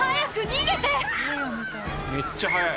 「めっちゃ速い」